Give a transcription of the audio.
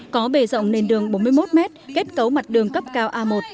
có bể rộng nền đường bốn mươi một mét kết cấu mặt đường cấp cao a một